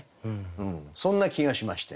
うんそんな気がしましてね。